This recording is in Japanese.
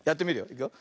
いくよ。